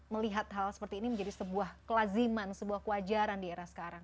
melihat hal seperti ini menjadi sebuah kelaziman sebuah kewajaran di era sekarang